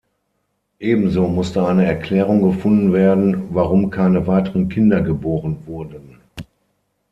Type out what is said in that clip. Ebenso musste eine Erklärung gefunden werden, warum keine weiteren Kinder geboren wurden.